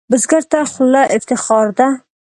بزګر ته خوله افتخار ده